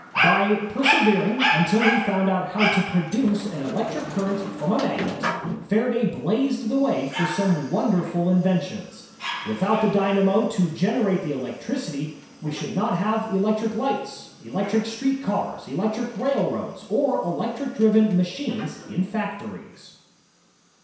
By persevering imtil he foimd out how to produce an electric current from a magnet, Faraday blazed the way for some wonderful inventions. Without the dynamo to generate the electricity, we should not have electric lights, electric street cars, electric railroads, or electric driven machines in factories.